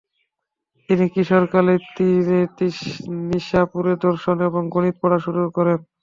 তিনি কিশোরকালেই নিশাপুরে দর্শন এবং গণিত পড়া শুরু করেন।